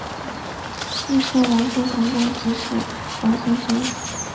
一说王叔桓公即是王孙苏。